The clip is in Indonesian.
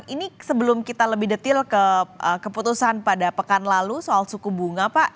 ini sebelum kita lebih detil ke keputusan pada pekan lalu soal suku bunga pak